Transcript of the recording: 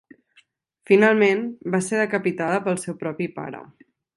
Finalment, va ser decapitada pel seu propi pare.